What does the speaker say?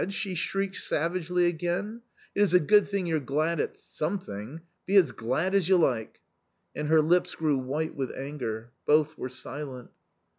she shrieked savagely again; "it is a good thing you're glad at something — be as glad as you like." And her lips grew white with anger. Both were silent.